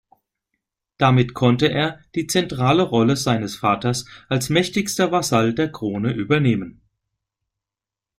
Damit konnte er die zentrale Rolle seines Vaters als mächtigster Vasall der Krone übernehmen.